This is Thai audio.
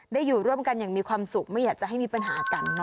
อยู่ร่วมกันอย่างมีความสุขไม่อยากจะให้มีปัญหากัน